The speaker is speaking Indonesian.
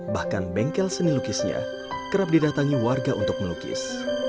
bahkan bengkel seni lukisnya kerap didatangi warga untuk melukis